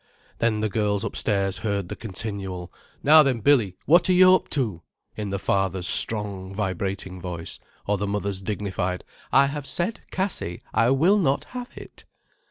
Then the girls upstairs heard the continual: "Now then, Billy, what are you up to?" in the father's strong, vibrating voice: or the mother's dignified: "I have said, Cassie, I will not have it."